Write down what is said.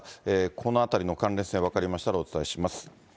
このあたりの関連性分かりましたらお伝えします。